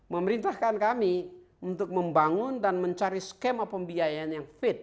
memerintahkan kami untuk membangun dan mencari skema pembiayaan yang fit